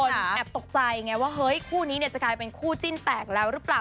แอบตกใจไงว่าเฮ้ยคู่นี้เนี่ยจะกลายเป็นคู่จิ้นแตกแล้วหรือเปล่า